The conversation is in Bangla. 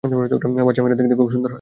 বাচ্চা মেয়েরা দেখতে খুব সুন্দর।